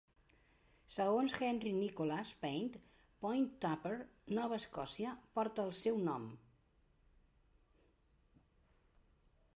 Segons Henry Nicholas Paint, Point Tupper, Nova Escòcia, porta el seu nom.